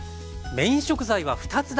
メイン食材は２つだけ。